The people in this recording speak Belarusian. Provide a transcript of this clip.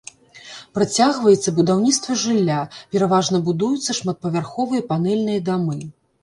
Працягваецца будаўніцтва жылля, пераважна будуюцца шматпавярховыя панэльныя дамы.